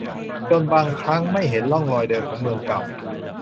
จนบางครั้งไม่เห็นร่องรอยเดิมของเมืองเก่า